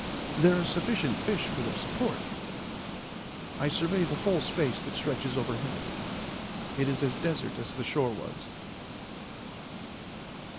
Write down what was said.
There are sufficient fish for their support. I survey the whole space that stretches overhead; it is as desert as the shore was.